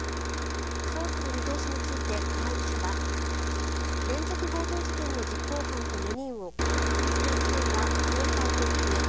捜査の見通しについて金井記者は連続強盗事件の実行犯と４人を確実につなぐ線は携帯と金。